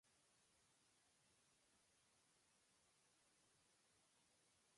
It states that everybody is good at heart.